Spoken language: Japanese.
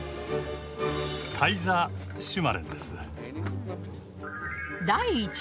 カイザーシュマレンです。